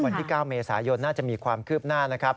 วันที่๙เมษายนน่าจะมีความคืบหน้านะครับ